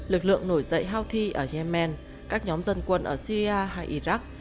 lực lượng nổi dậy houthi ở yemen các nhóm dân quân ở syria hay iraq